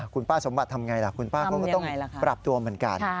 คุณป้าสมบัติทำไงล่ะคุณป้าเขาก็ต้องปรับตัวเหมือนกัน